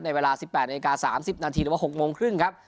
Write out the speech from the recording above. เวลา๑๘นาที๓๐นาทีหรือว่า๖โมงครึ่งครับ